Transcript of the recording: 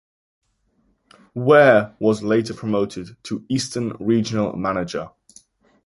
Ware was later promoted to Eastern Regional Manager.